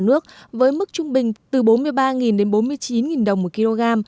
nước với mức trung bình từ bốn mươi ba đến bốn mươi chín đồng một kg